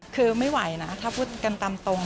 คือไม่ไหวนะถ้าพูดกันตามตรง